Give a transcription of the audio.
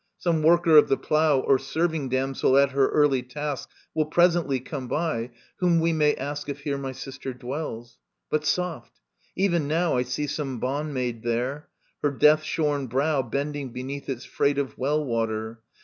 Some worker of the plough, Or serving damsel at her early task Will presently come by, whom we may ask If here my sister dwells. But soft ! Even now I see some bondmaid there, her death shorn brow Bending beneath its freight of well water.